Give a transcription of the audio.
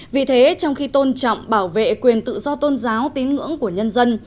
vì thế trong khi tôn trọng bảo vệ quyền tự do tôn giáo tín ngưỡng của nhân dân